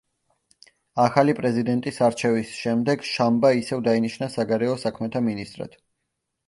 ახალი „პრეზიდენტის“ არჩევის შემდეგ შამბა ისევ დაინიშნა საგარეო საქმეთა მინისტრად.